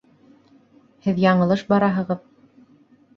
Һеҙ яңылыш бараһығыҙ